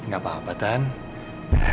gak apa apa tante